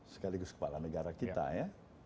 sekaligus kepala negara kita ya